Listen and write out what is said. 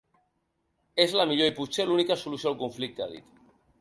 És la millor, i potser l’única, solució al conflicte, ha dit.